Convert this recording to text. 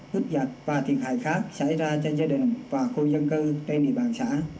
hút giạch và thiệt hại khác xảy ra cho gia đình và khu dân cư trên địa bàn xã